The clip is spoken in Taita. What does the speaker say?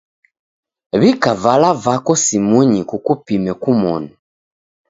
W'ika vala vako simunyi kukupime kumoni.